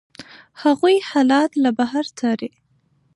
هغوی حالات له بهر څاري.